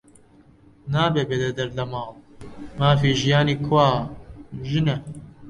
نابێ بێتە دەر لە ماڵ، مافی ژیانی کوا؟ ژنە